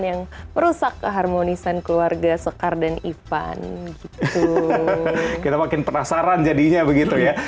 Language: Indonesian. yang merusak keharmonisan keluarga sekar dan ivan kita makin penasaran jadinya begitu ya